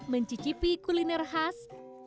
mencicipi kuliner khas